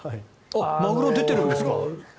「マグロ」出てるんですか？